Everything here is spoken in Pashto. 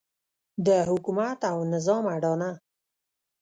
د حکومت او نظام اډانه.